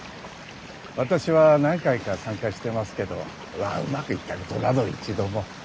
私は何回か参加してますけどまあうまくいったことなど一度も。